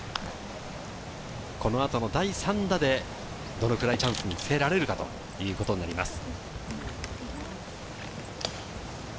この後の第３打でどのくらいチャンスにつけられるかということになります。